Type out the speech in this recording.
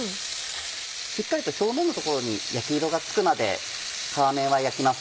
しっかりと表面の所に焼き色がつくまで皮面は焼きます。